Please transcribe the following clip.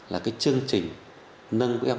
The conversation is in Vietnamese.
là cái chương trình nâng quỹ học